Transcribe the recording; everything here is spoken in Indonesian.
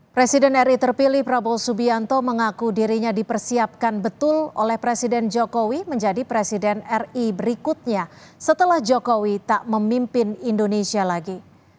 presiden ri terpilih prabowo subianto mengaku dirinya dipersiapkan betul oleh presiden jokowi menjadi presiden ri berikutnya setelah jokowi tak memimpin indonesia lagi